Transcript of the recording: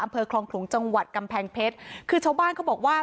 อำเภอคลองขลุงจังหวัดกำแพงเพชรคือชาวบ้านเขาบอกว่า